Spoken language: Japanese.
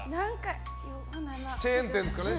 チェーン店ですから。